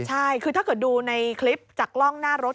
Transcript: ใช่คือถ้าเกิดดูในคลิปจากกล้องหน้ารถ